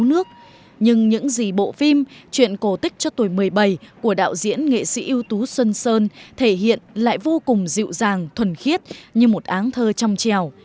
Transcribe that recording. nhưng những gì bộ phim chuyện cổ tích cho tuổi một mươi bảy của đạo diễn nghệ sĩ ưu tú xuân sơn thể hiện lại vô cùng dịu dàng thuần khiết như một áng thơ trong trèo